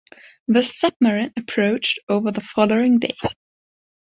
The submarine approached over the following day.